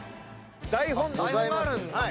台本ございます。